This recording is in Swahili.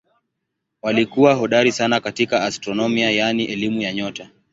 Walikuwa hodari sana katika astronomia yaani elimu ya nyota.